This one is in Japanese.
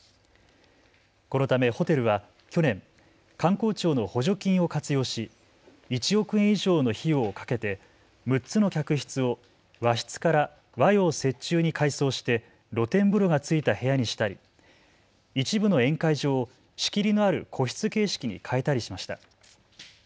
このためホテルは去年、観光庁の補助金を活用し１億円以上の費用をかけて６つの客室を和室から和洋折衷に改装して露天風呂がついた部屋にしたり一部の宴会場を仕切りのある個室形式に変えたりしました。